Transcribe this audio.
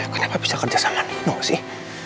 kenapa bisa kerja sama nino sih